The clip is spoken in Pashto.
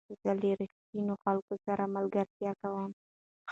زه له رښتینو خلکو سره ملګرتیا کوم.